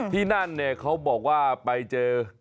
ที่นั้นเขาบอกว่าไปเจอ